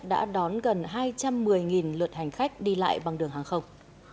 đã đón gần hai trăm một mươi lượt hành khách đi lại bằng đường hàng không